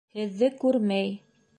Һеҙҙе күрмәй